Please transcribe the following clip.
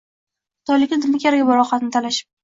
Xitoyliklar Nima keragi bor ovqatni talashib...